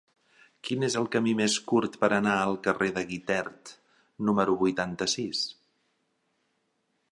Quin és el camí més curt per anar al carrer de Guitert número vuitanta-sis?